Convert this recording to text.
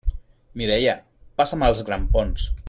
Mireia, passa'm els grampons!